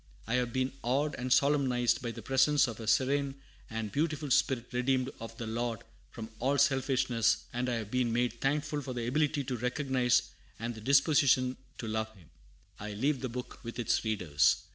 I have been awed and solemnized by the presence of a serene and beautiful spirit redeemed of the Lord from all selfishness, and I have been made thankful for the ability to recognize and the disposition to love him. I leave the book with its readers.